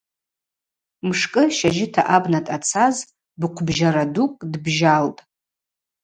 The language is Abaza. Мшкӏы щажьыта абна дъацаз быхъвбжьара дукӏ дбжьалтӏ.